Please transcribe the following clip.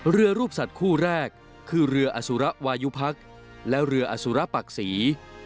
เรือรูปสัตว์คู่แรกคือเรืออสุระวายุพักษ์และเรืออสุระปักศรี